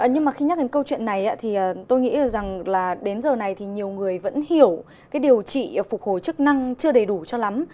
nhưng mà khi nhắc đến câu chuyện này thì tôi nghĩ được rằng là đến giờ này thì nhiều người vẫn hiểu cái điều trị phục hồi chức năng chưa đầy đủ cho lắm